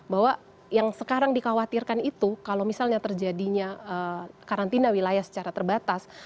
bahwa yang sekarang dikhawatirkan itu kalau misalnya terjadinya karantina wilayah secara terbatas